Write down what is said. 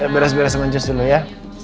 beres beres sama njus dulu ya